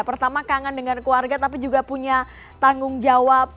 pertama kangen dengan keluarga tapi juga punya tanggung jawab